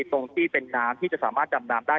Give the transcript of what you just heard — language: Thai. ตรงที่เป็นน้ำที่จะสามารถดำน้ำได้